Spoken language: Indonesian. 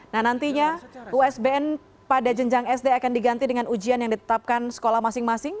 nah nantinya usbn pada jenjang sd akan diganti dengan ujian yang ditetapkan sekolah masing masing